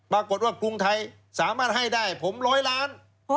ปรากฏว่ากรุงไทยสามารถให้ได้ผม๑๐๐ล้าน